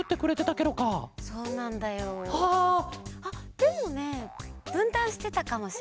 でもねぶんたんしてたかもしれない。